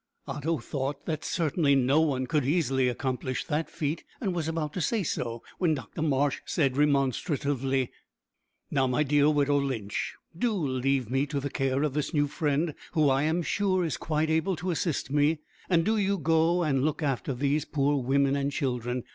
Otto thought that certainly no one could easily accomplish that feat, and was about to say so, when Dr Marsh said remonstratively "Now, my dear widow Lynch, do leave me to the care of this new friend, who, I am sure, is quite able to assist me, and do you go and look after these poor women and children.